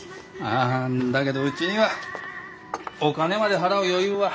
ああだけどうちにはお金まで払う余裕は。